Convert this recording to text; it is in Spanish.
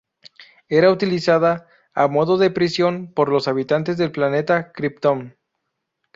Era utilizada, a modo de prisión, por los habitantes del planeta Kryptón.